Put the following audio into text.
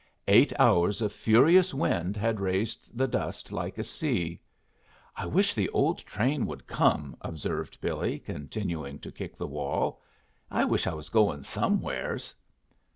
Eight hours of furious wind had raised the dust like a sea. "I wish the old train would come," observed Billy, continuing to kick the wall. "I wish I was going somewheres."